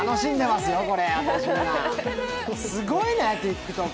すごいね、ＴｉｋＴｏｋ。